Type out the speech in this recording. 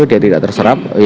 dia tidak terserap